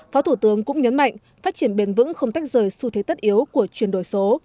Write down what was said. phó thủ tướng cũng nhấn mạnh phát triển bền vững không tách rời xu thế tất yếu của chuyển đổi số